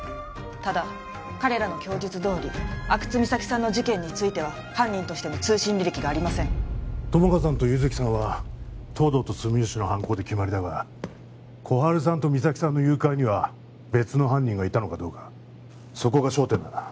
ただ彼らの供述どおり阿久津実咲さんの事件については犯人としての通信履歴がありません友果さんと優月さんは東堂と住吉の犯行で決まりだが心春さんと実咲さんの誘拐には別の犯人がいたのかどうかそこが焦点だな